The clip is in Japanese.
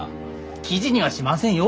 記事にはしませんよ。